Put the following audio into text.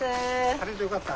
晴れてよかった。